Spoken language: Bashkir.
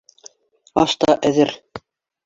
Аш та әҙер.